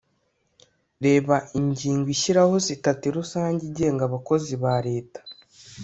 reba ingingo ishyiraho sitati rusange igenga abakozi ba leta